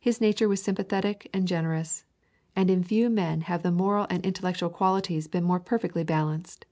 His nature was sympathetic and generous, and in few men have the moral and intellectual qualities been more perfectly balanced."